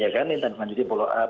ya kan ditindaklanjuti dipolo up